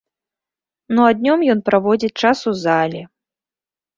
Ну а днём ён праводзіць час у зале.